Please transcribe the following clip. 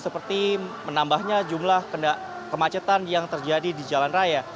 seperti menambahnya jumlah kemacetan yang terjadi di jalan raya